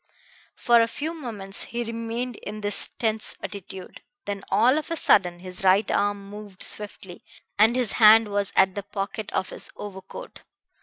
For a few moments he remained in this tense attitude; then all of a sudden his right arm moved swiftly, and his hand was at the pocket of his overcoat.